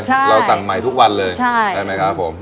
ใช่เราสั่งใหม่ทุกวันเลยใช่ไหมครับผม